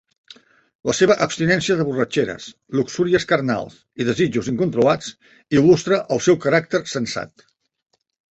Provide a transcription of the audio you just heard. La seva abstinència de borratxeres, luxúries carnals i desitjos incontrolats il·lustra el seu caràcter sensat.